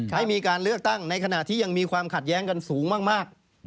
ให้มีการเลือกตั้งในขณะที่ยังมีความขัดแย้งกันสูงมาก